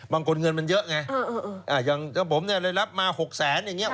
บางคนเงินมันเยอะไงเอ่ออ่ะยังช่างผมเนี่ยเรารับมา๖แสนอย่างนี้